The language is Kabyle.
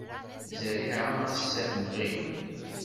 Zzeriεa ass-a temɣi.